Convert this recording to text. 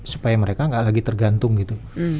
supaya mereka nggak lagi tergantung gitu